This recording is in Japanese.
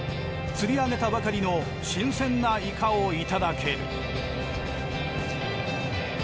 釣り上げたばかりの新鮮なイカをいただける。